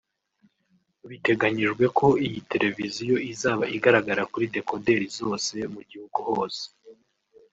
Biteganyijwe ko iyi televiziyo izaba igaragara kuri dekoderi zose mu gihugu hose